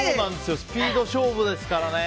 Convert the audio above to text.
スピード勝負ですからね。